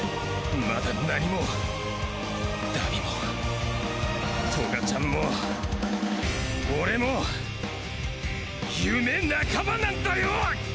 まだ何も荼毘もトガちゃんも俺も夢半ばなんだよ！